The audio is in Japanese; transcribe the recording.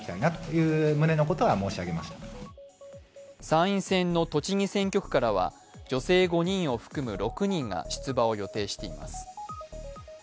参院選の栃木選挙区からは女性５人を含む６人が出馬を予定しています。